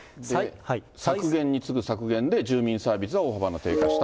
削減に次ぐ削減で住民サービスは大幅に低下したと。